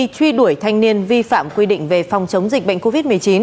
truy đuổi thanh niên vi phạm quy định về phòng chống dịch bệnh covid một mươi chín